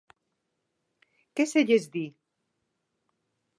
¿Que se lles di?